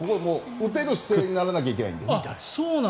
打てる姿勢にならなきゃいけないんで。